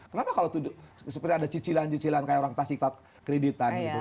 kenapa kalau ada cicilan cicilan kayak orang tasikat kreditan